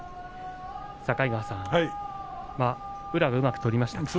境川さん、宇良がうまく取りましたね。